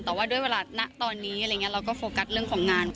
แต่ว่าด้วยเวลาตอนนี้เราก็โฟกัสเรื่องของงาน